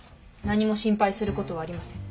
何も心配することはありません。